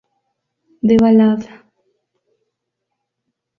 The Ballad.